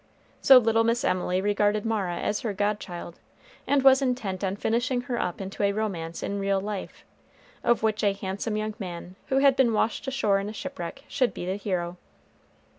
So little Miss Emily regarded Mara as her godchild, and was intent on finishing her up into a romance in real life, of which a handsome young man, who had been washed ashore in a shipwreck, should be the hero.